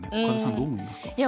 岡田さん、どう思いますか？